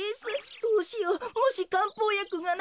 どうしようもしかんぽうやくがなかったら。